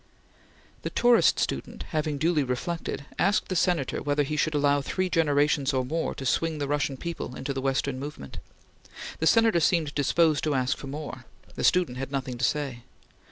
The tourist student, having duly reflected, asked the Senator whether he should allow three generations, or more, to swing the Russian people into the Western movement. The Senator seemed disposed to ask for more. The student had nothing to say.